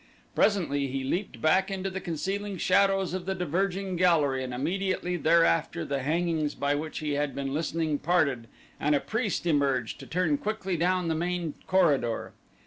Presently he leaped back into the concealing shadows of the diverging gallery and immediately thereafter the hangings by which he had been listening parted and a priest emerged to turn quickly down the main corridor.